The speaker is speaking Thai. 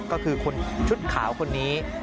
ก็คือคนชุดขาวคนนี้